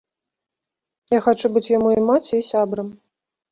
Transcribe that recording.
Я хачу быць яму і маці, і сябрам.